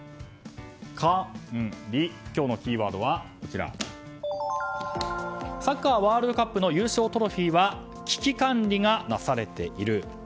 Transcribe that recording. カンリ、今日のキーワードはサッカーワールドカップの優勝トロフィーは危機管理がなされていると。